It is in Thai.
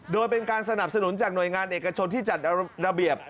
โดยเป็นการสนับสนุนจากหน่วยงานเอกชนที่จัดระเบียบ